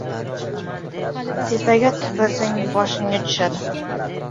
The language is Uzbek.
• Tepaga tupursang, boshingga tushadi.